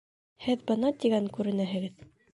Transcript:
Һеҙ бына тигән күренәһегеҙ